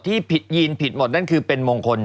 ที่ผิดยีนผิดหมดนั่นคือเป็นมงคล